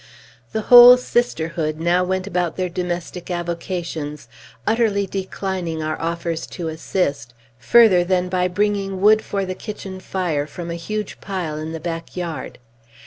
The whole sisterhood now went about their domestic avocations, utterly declining our offers to assist, further than by bringing wood for the kitchen fire from a huge pile in the back yard.